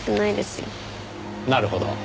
なるほど。